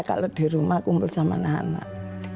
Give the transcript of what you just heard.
kalau di rumah bersama anak anak